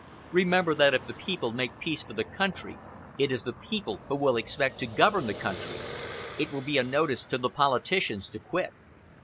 "Remember that if the people make peace for the country, it is the people who will expect to govern the country. It will be a notice to the politicians to quit.